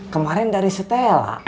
kemarin dari setela